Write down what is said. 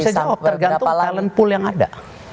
saya jawab tergantung talent pool yang ada